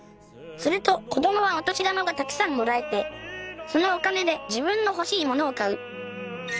すると子どもはお年玉がたくさんもらえてそのお金で自分の欲しいものを買う